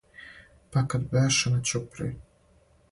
Па кад беше на ћуприји